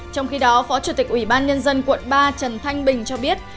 trong khi đó phó chủ tịch ủy ban nhân dân quận ba trần thanh bình cho biết